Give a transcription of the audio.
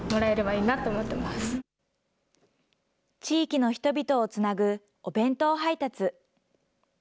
地域の人々をつなぐお弁当配達。